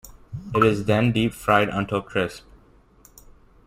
It is then deep fried until crisp.